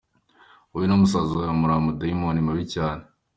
Wowe na Musaza wawe muri ama dayimoni mabi cyabe.